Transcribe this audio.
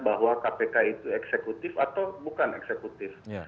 bahwa kpk itu eksekutif atau bukan eksekutif